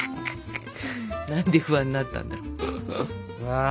何で不安になったんだ。